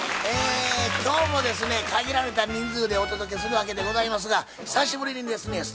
今日もですね限られた人数でお届けするわけでございますが久しぶりにですね